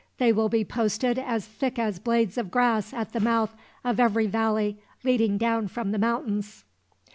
They will be posted as thick as blades of grass at the mouth of every valley leading down from the mountains.